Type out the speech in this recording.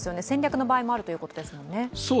戦略の場合もあるということですもんね。